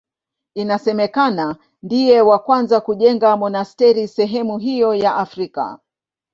Inasemekana ndiye wa kwanza kujenga monasteri sehemu hiyo ya Afrika.